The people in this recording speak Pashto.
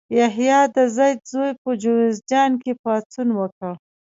یحیی د زید زوی په جوزجان کې پاڅون وکړ.